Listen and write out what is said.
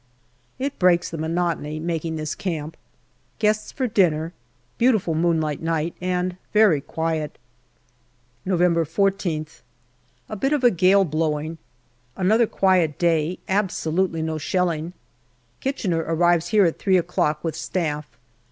It breaks the monotony, making this camp. Guests for dinner. Beautiful moonlight night and very quiet. NOVEMBER 265 November 14th. A bit of a gale blowing. Another quiet day, absolutely no shelling. Kitchener arrives here at three o'clock with Staff.